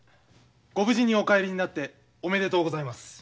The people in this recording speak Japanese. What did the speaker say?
ご無事にお帰りになっておめでとうございます。